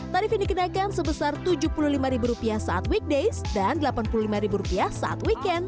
tarif ini kenaikan sebesar tujuh puluh lima rupiah saat weekdays dan delapan puluh lima rupiah saat weekend